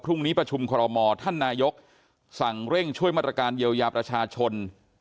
พรุ่งนี้ประชุมคอรมอท่านนายกสั่งเร่งช่วยมาตรการเยียวยาประชาชน